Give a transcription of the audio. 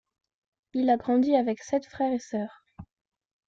Il a grandi avec sept frères et sœurs.